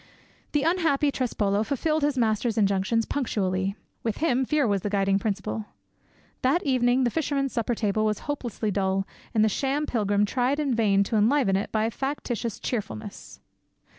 The unhappy Trespolo fulfilled his master's injunctions punctually. With him fear was the guiding principle. That evening the fisherman's supper table was hopelessly dull, and the sham pilgrim tried in vain to enliven it by factitious cheerfulness.